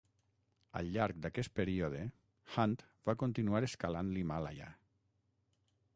Al llarg d'aquest període, Hunt va continuar escalant l'Himàlaia.